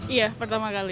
iya pertama kali